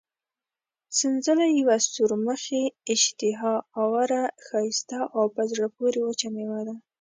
سنځله یوه سورمخې، اشتها اوره، ښایسته او په زړه پورې وچه مېوه ده.